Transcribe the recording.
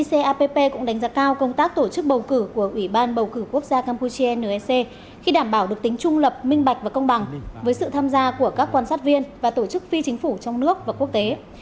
icapp cũng đánh giá cao công tác tổ chức bầu cử của ủy ban bầu cử quốc gia campuchia nec khi đảm bảo được tính trung lập minh bạch và công bằng với sự tham gia của các quan sát viên và tổ chức phi chính phủ trong nước và quốc tế